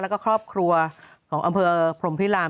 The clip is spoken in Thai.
แล้วก็ครอบครัวของอำเภอพรมพิราม